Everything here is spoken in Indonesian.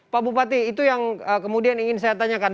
pak bupati itu yang kemudian ingin saya tanyakan